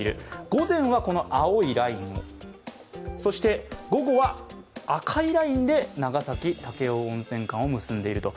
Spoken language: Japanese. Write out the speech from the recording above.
午前は青いラインを、そして午後は赤いラインで長崎−武雄温泉駅間を結んでいる。